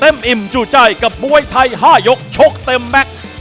อิ่มจู่ใจกับมวยไทย๕ยกชกเต็มแม็กซ์